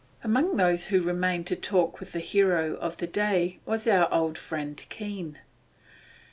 Among those who remained to talk with the hero of the day was our old friend Keene.